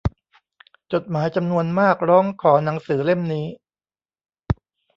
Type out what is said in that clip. จดหมายจำนวนมากร้องขอหนังสือเล่มนี้